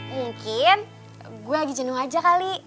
mungkin gue lagi jenuh aja kali